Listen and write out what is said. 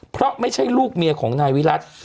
เพราะไม่ใช่ลูกเมียของนายวิรัติ